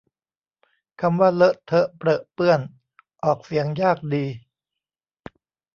คำว่าเลอะเทอะเปรอะเปื้อน ออกเสียงยากดี